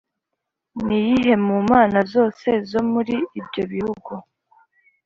Ni iyihe mu mana zose zo muri ibyo bihugu